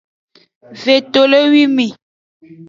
Vetolewime.